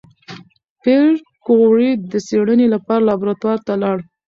پېیر کوري د څېړنې لپاره لابراتوار ته لاړ.